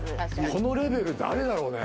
このレベル誰だろうね。